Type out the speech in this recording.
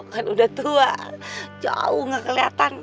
oh kan udah tua jauh gak keliatan